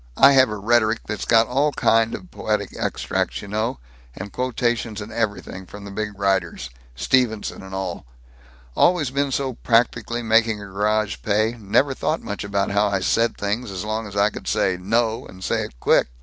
I have a rhetoric that's got all kind of poetic extracts, you know, and quotations and everything, from the big writers, Stevenson and all. Always been so practical, making a garage pay, never thought much about how I said things as long as I could say 'No!' and say it quick.